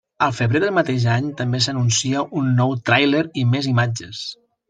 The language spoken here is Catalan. Al febrer del mateix any també s'anuncia un nou tràiler i més imatges.